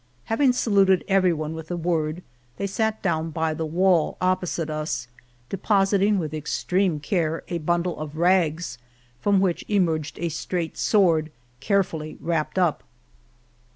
Having saluted every one with a word, they sat down by the wall opposite us, depositing with extreme care a bundle of rags, from which emerged a straight sword, 229 Venta de Cardenas carefully wrapped up.